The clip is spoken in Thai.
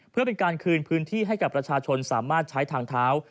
เพื่อเป็นการคืนพื้นที่ให้กับประชาชนสามารถใช้ทางเท้า